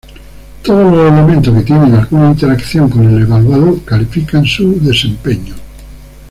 Todos los elementos que tienen alguna interacción con el evaluado califican su desempeño.